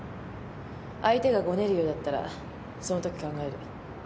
相手がごねるようだったらそのとき考える。